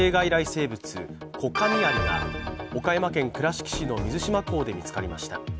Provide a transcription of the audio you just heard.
生物、コカミアリが岡山県倉敷市の水島港で見つかりました。